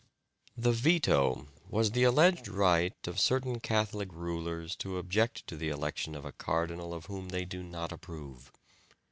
The veto was the alleged right of certain Catholic rulers to object to the election of a cardinal of whom they do not approve.